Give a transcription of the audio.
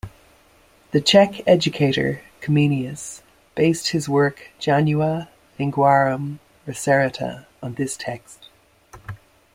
The Czech educator Comenius based his work "Janua linguarum reserata" on this text.